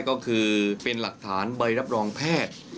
ก็คือเป็นหลักฐานใบรับรองแพทย์